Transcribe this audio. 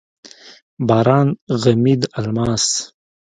باران غمي د الماس،